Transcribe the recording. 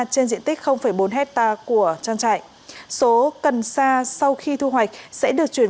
trên diện tích bốn hectare của trang trại số cần sa sau khi thu hoạch sẽ được chuyển